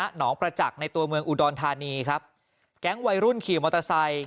หนองประจักษ์ในตัวเมืองอุดรธานีครับแก๊งวัยรุ่นขี่มอเตอร์ไซค์